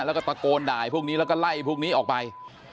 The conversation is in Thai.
แล้วก็ตะโกนด่าพวกนี้แล้วก็ไล่พวกนี้ออกไป